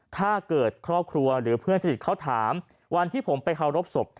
ถ้าเกิดครอบครัวหรือเพื่อนสนิทเขาถามวันที่ผมไปเคารพศพ